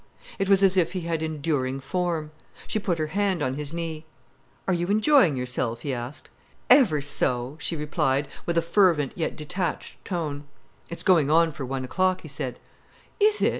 It was as if he had enduring form. She put her hand on his knee. "Are you enjoying yourself?" he asked. "Ever so," she replied, with a fervent, yet detached tone. "It's going on for one o'clock," he said. "Is it?"